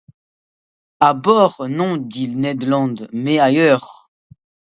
À bord, non, dit Ned Land, mais… ailleurs.